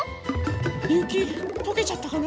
ゆきとけちゃったかな？